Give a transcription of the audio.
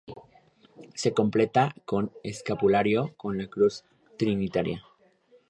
Se completa con escapulario con la cruz trinitaria.